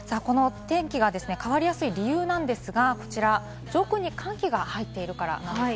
天気が変わりやすい理由ですが、こちら、上空に寒気が入っているからです。